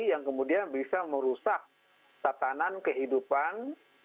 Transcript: yang kemudian bisa merusak tatanan kehidupan